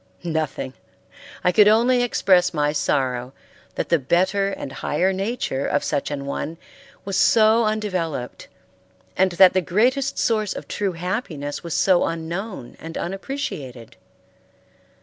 Nothing. I could only express my sorrow that the better and higher nature of such an one was so undeveloped, and that the greatest source of true happiness was so unknown and unappreciated.